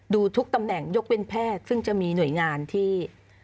ดูทุกตำแหน่งยกเป็นแพทย์ซึ่งจะมีหน่วยงานที่